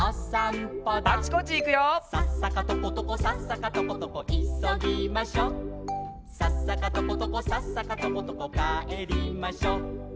「さっさかとことこさっさかとことこいそぎましょ」「さっさかとことこさっさかとことこかえりましょ」